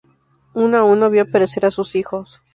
Uno a uno vio perecer a sus hijos.